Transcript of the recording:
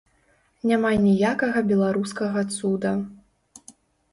Няма ніякага беларускага цуда.